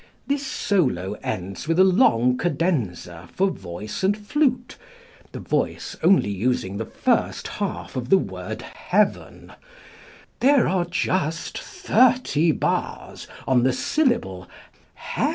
This solo ends with a long cadenza for voice and flute, the voice only using the first half of the word "heaven"; there are just thirty bars on the syllable "hea